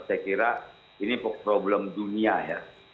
saya kira ini problem dunia ya